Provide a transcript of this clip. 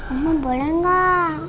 om boleh nggak